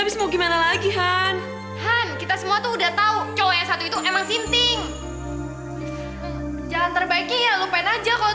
berarti tetep gue masih berubah